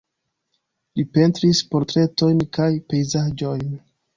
Li pentris portretojn kaj pejzaĝojn.